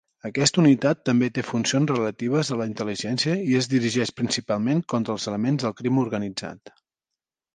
Aquesta unitat també té funcions relatives a la intel·ligència i es dirigeix principalment contra elements del crim organitzat.